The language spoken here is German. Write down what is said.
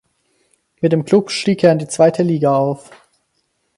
Mit dem Klub stieg er in die zweite Liga auf.